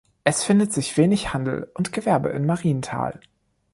Es findet sich wenig Handel und Gewerbe in Marienthal.